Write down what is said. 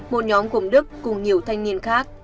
một nhóm cùng đức cùng nhiều thanh niên khác